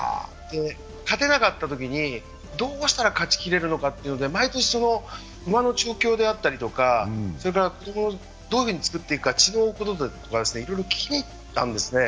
勝てなかったときに、どうしたら勝ちきれるのかというのを毎年、馬の調教であったりとか、どういうふうにつくっていくかいろいろ聞きに行ったんですね。